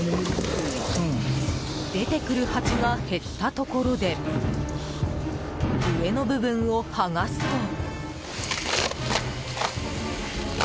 出てくるハチが減ったところで上の部分を剥がすと。